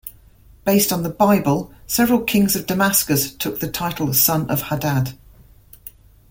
Based on the Bible, several kings of Damascus took the title son of Hadad.